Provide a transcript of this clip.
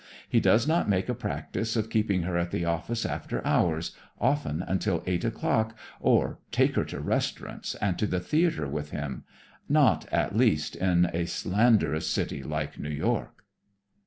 He does not make a practise of keeping her at the office after hours, often until eight o'clock, or take her to restaurants and to the theater with him; not, at least, in a slanderous city like New York."